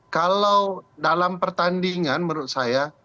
kalau dalam pertandingan menurut saya